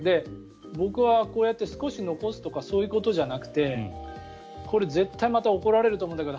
僕はこうやって少し残すとかそういうことじゃなくて絶対に、浜田さんにまた怒られると思うんだけど